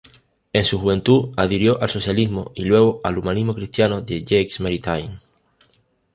En su juventud adhirió al socialismo y luego al humanismo cristiano de Jacques Maritain.